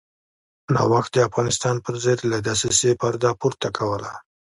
نوښت د افغانستان پرضد له دسیسې پرده پورته کوله.